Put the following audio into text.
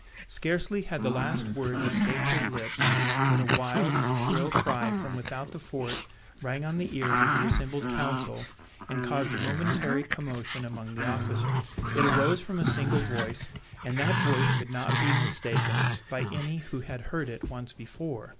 Scarcely had the last words escaped his lips when a wild, shrill cry from without the fort rang on the ears of the assembled council, and caused a momentary commotion among the officers. It arose from a single voice, and that voice could not be mistaken by any who had heard it once before.